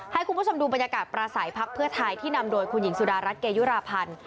ให้คุณผู้ชมดูบรรยากาศปราศัยพักเพื่อไทยที่นำโดยคุณหญิงสุดารัฐเกยุราพันธ์